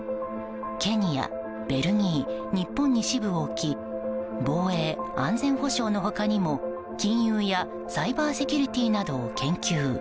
ケニア、ベルギー、日本に支部を置き防衛・安全保障の他にも、金融やサイバーセキュリティーなどを研究。